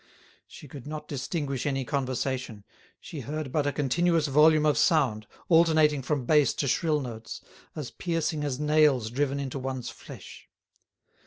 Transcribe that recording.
She could not distinguish any conversation, she heard but a continuous volume of sound, alternating from bass to shrill notes, as piercing as nails driven into one's flesh.